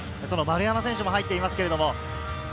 その丸山選手も入っています。